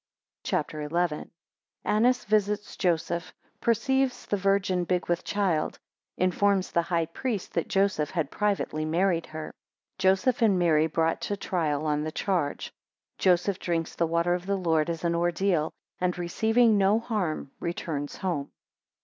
CHAPTER XI. 3 Annas visits Joseph, perceives the Virgin big with child, 4 informs the high priest that Joseph had privately married her. 8 Joseph and Mary brought to trial on the charge. 17 Joseph drinks the water of the Lord as an ordeal, and receiving no harm, returns home.